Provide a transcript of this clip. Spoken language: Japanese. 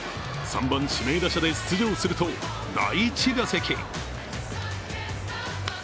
３番指名打者で出場すると第１打席。